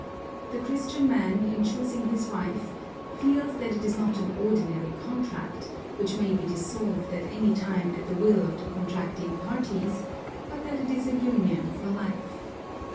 The Christian man, in choosing his wife, feels that it is not an ordinary contract, which may be dissolved at any time at the will of the contracting parties, but that it is a union for life.